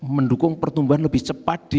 mendukung pertumbuhan lebih cepat di